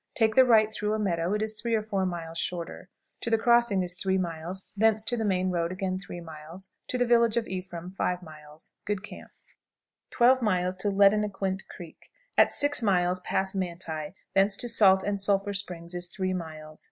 Take the right through a meadow; it is 3 or 4 miles shorter. To the crossing is 3 miles; thence to the main road again 3 miles; to the village of Ephraim 5 miles. Good camp. 12. Lediniquint Creek. At 6 miles pass Manti; thence to Salt and Sulphur Springs is 3 miles.